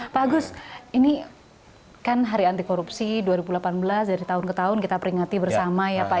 pak agus ini kan hari anti korupsi dua ribu delapan belas dari tahun ke tahun kita peringati bersama ya pak